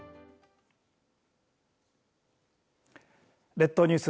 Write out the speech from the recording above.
列島ニュース